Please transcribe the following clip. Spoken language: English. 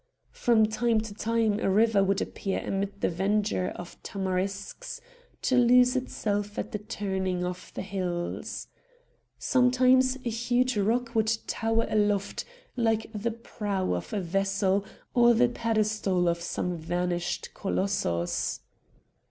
From time to time a river would appear amid the verdure of tamarisks to lose itself at the turning of the hills. Sometimes a huge rock would tower aloft like the prow of a vessel or the pedestal of some vanished colossus.